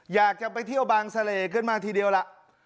อยากจะไปเที่ยวบางเสล่ขึ้นมาทีเดียวล่ะ